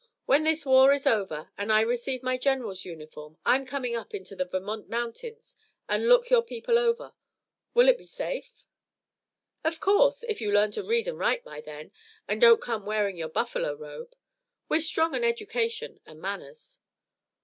"When this war is over and I receive my general's uniform I'm coming up into the Vermont mountains and look your people over. Will it be safe?" "Of course, if you learn to read and write by then, and don't come wearing your buffalo robe. We're strong on education and manners."